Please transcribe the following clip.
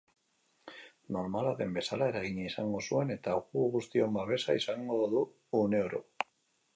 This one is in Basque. Normala den bezala eragina izango zuen eta gu guztion babesa izango du uneoro.